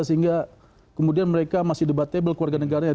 sehingga kemudian mereka masih debatable kewarganegaraan